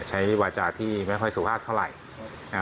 นิวาจาที่ไม่ค่อยสุภาพเท่าไหร่